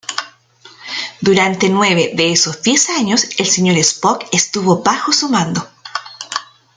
Durante nueve de esos diez años, el señor Spock estuvo bajo su mando.